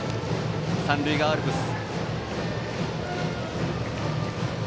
三塁側アルプス。